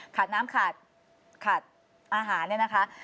ขาดน้ำขาดอาหารเนี่ยนะคะ